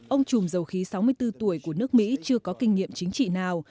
ông chùm dầu khí sáu mươi bốn tuổi của nước mỹ chưa có kinh nghiệm chính trị nào